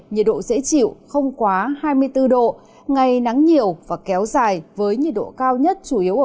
nhiệt độ dễ chịu không quá hai mươi bốn độ ngày nắng nhiều và kéo dài với nhiệt độ cao nhất